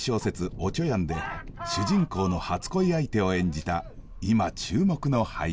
「おちょやん」で主人公の初恋相手を演じた今注目の俳優。